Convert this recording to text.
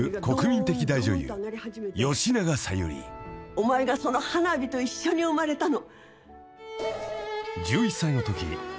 お前がその花火と一緒に生まれたの。